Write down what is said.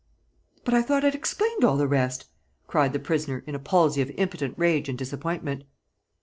"But I thought I'd explained all the rest?" cried the prisoner, in a palsy of impotent rage and disappointment.